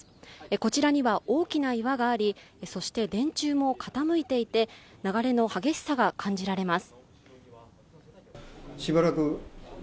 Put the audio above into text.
こちらには大きな岩がありそして電柱も傾いていて、流れの激しさが感じられます。